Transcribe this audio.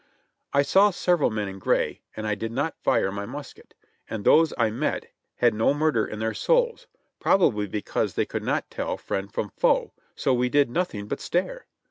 I saw several men in gray — and I did not fire my musket ; and those I met had no murder in their souls, probably because they could not tell friend from foe, so we did nothing but stare.